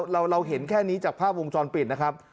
เราเห็นแค่นี้จากภาพวงจรปิดนะครับ